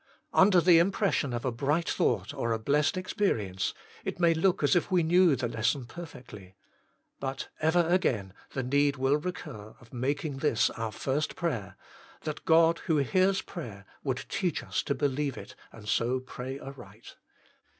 Under the impression of a bright thought, or a blessed ex perience, it may look as if we knew the lesson perfectly. But ever again the need will recur of making this our first prayer that God who hears prayer would teach us to believe it, and so to pray 154 TJIE MINISTRY OF INTERCESSION aright.